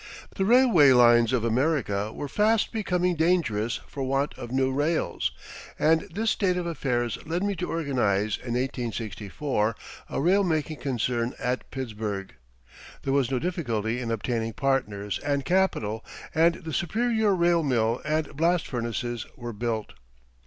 The railway lines of America were fast becoming dangerous for want of new rails, and this state of affairs led me to organize in 1864 a rail making concern at Pittsburgh. There was no difficulty in obtaining partners and capital, and the Superior Rail Mill and Blast Furnaces were built.